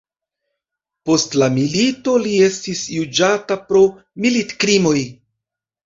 Post la milito li estis juĝata pro militkrimoj.